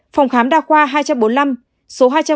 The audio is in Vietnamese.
phòng khám đa khoa hai trăm bốn mươi năm số hai trăm bốn mươi